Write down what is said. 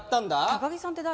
高木さんって誰？